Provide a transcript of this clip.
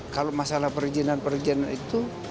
kalau masalah perizinan perizinan itu